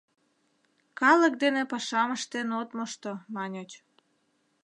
Калык дене пашам ыштен от мошто, маньыч.